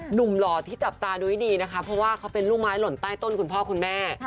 หล่อที่จับตาดูให้ดีนะคะเพราะว่าเขาเป็นลูกไม้หล่นใต้ต้นคุณพ่อคุณแม่